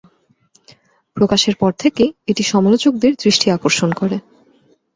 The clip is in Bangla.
প্রকাশ এর পর থেকেই এটি সমালোচকদের দৃষ্টি আকর্ষণ করে।